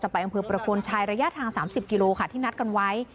ไปอำเภอประโคนชัยระยะทาง๓๐กิโลค่ะที่นัดกันไว้